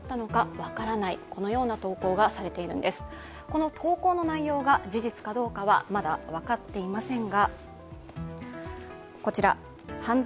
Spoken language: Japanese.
この投稿の内容が事実がどうかは、まだ分かっていません。